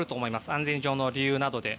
安全上の理由などで。